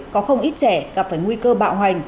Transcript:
có không ít trẻ gặp phải nguy cơ bạo hành